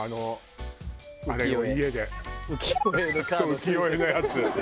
浮世絵のやつ。